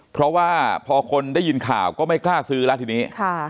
เพราะว่าพอคนได้ยินข่าวก็ไม่กล้าซื้อแล้วทีนี้